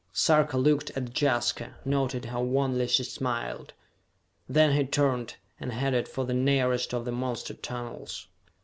Sarka looked at Jaska, noted how wanly she smiled. Then he turned, and headed for the nearest of the monster tunnels.